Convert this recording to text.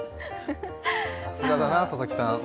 さすがだな、佐々木さん。